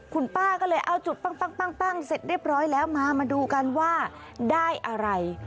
คุณป้าก็เลยเอาจุดปั้งเสร็จเรียบร้อยแล้วมามาดูกันว่าได้อะไร